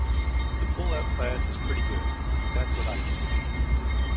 The pullout class is pretty good, that’s what I teach.